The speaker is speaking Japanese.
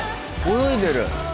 泳いでる。